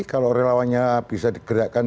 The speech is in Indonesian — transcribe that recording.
kalau relawannya bisa digerakkan